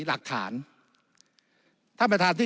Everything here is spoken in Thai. วุฒิสภาจะเขียนไว้ในข้อที่๓๐